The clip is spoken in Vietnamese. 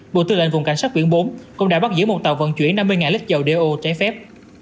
bộ tư lệnh vùng cảnh sát biển bốn cũng đã bắt giữ một tàu vận chuyển năm mươi lít dầu đeo trái phép